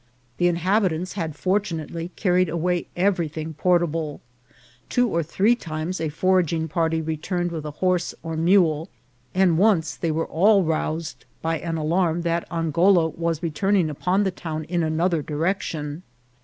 The inhabitants had fortunately carried away every thing portable ; two or three times a foraging party re turned with a horse or mule, and once they were all roused by an alarm that Angoula was returning upon the town in another direction.